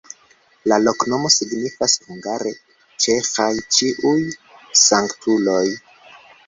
La loknomo signifas hungare: "ĉeĥa-ĉiuj-sanktuloj".